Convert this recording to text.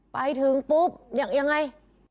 ไปถึงปุ๊บยังไง